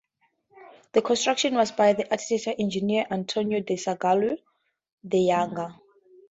The construction was by the architect-engineer Antonio da Sangallo the Younger.